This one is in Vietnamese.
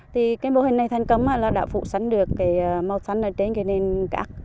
thì cái mô hình này thành công là đã phụ sánh được màu xanh ở trên nền cắt